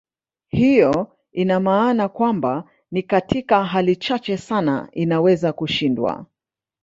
Hiyo ina maana kwamba ni katika hali chache sana inaweza kushindwa.